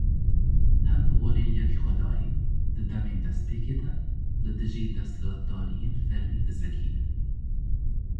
Hemû olên yekxwedayî, di demên destpêkê de li dijî desthilatdariyên fermî disekinîn.